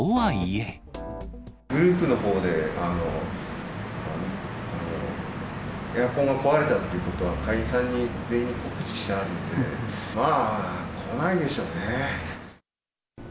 グループのほうで、エアコンが壊れたってことは、会員さんに、全員に告知してあるので、まあ、来ないでしょうねぇ。